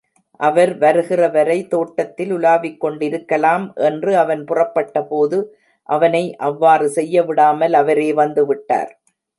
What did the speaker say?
அவர் வருகிற வரை தோட்டத்தில் உலாவிக்கொண்டிருக்கலாம் என்று அவன் புறப்பட்டபோது அவனை அவ்வாறு செய்யவிடாமல் அவரே வந்துவிட்டார்.